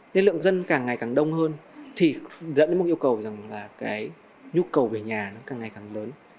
nên lượng dân càng ngày càng đông hơn thì dẫn đến một yêu cầu rằng là cái nhu cầu về nhà nó càng ngày càng lớn